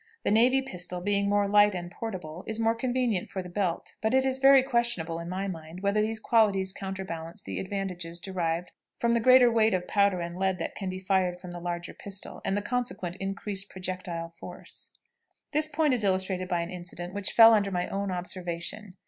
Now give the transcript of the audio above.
The navy pistol, being more light and portable, is more convenient for the belt, but it is very questionable in my mind whether these qualities counterbalance the advantages derived from the greater weight of powder and lead that can be fired from the larger pistol, and the consequent increased projectile force. This point is illustrated by an incident which fell under my own observation.